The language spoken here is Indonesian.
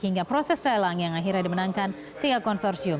hingga proses lelang yang akhirnya dimenangkan tiga konsorsium